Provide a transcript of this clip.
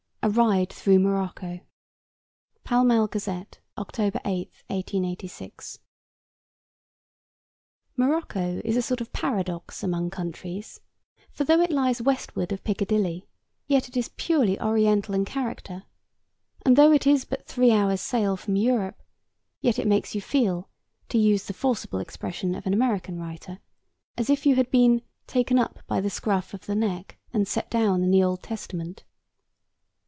A RIDE THROUGH MOROCCO (Pall Mall Gazette, October 8, 1886.) Morocco is a sort of paradox among countries, for though it lies westward of Piccadilly yet it is purely Oriental in character, and though it is but three hours' sail from Europe yet it makes you feel (to use the forcible expression of an American writer) as if you had been 'taken up by the scruff of the neck and set down in the Old Testament.'